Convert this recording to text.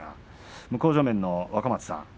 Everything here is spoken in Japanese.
向正面の若松さん